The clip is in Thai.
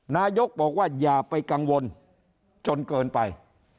นายกรัฐมนตรีบอกว่าอย่าไปกังวลจนเกินไป